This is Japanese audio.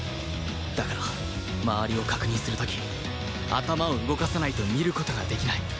だから周りを確認する時頭を動かさないと見る事ができない